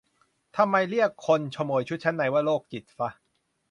ทำไมเรียกคนขโมยชุดชั้นในว่า "โรคจิต" ฟะ